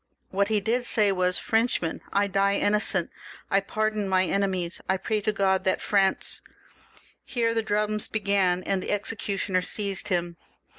What he did say was :—^" Frenchmen ! I die innocent. I pardon my enemies; I pray to God that France " Here the drums began, and the executioner seized him.